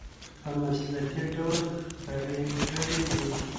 په مسلکي ډول خپرې کړې دي.